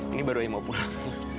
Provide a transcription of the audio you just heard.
ini baru aja mau pulang